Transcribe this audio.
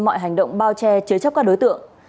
mọi hành động bao che chứa chấp các đối tượng